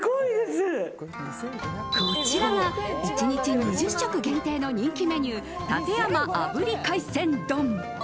こちらが１日２０食限定の人気メニュー館山炙り海鮮丼。